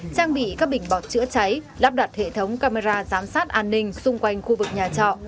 trang bị các bình bọt chữa cháy lắp đặt hệ thống camera giám sát an ninh xung quanh khu vực nhà trọ